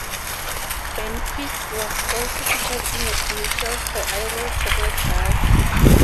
Burnquist was also featured in a commercial for Aero chocolate bars.